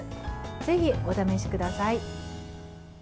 ぜひお試しください。